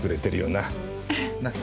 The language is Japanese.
なっ。